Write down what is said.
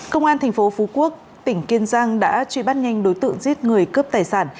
công an tp phú quốc tỉnh kiên giang đã truy bắt nhanh đối tượng giết người cướp tài sản